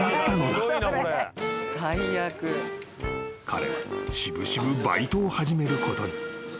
［彼は渋々バイトを始めることに］